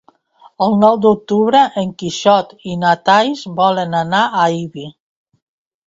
El nou d'octubre en Quixot i na Thaís volen anar a Ibi.